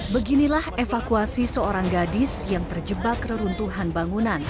beginilah evakuasi seorang gadis yang terjebak reruntuhan bangunan